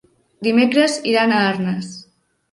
Dimecres iran a Arnes.